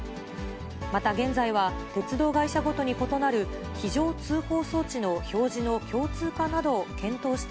また現在は、鉄道会社ごとに異なる非常通報装置の表示の共通化などを検討して